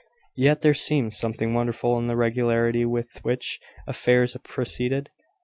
Yet there seemed something wonderful in the regularity with which affairs proceeded.